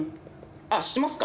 あ知ってますか。